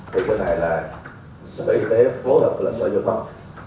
thì cái này là sở y tế phối hợp với sở giao thông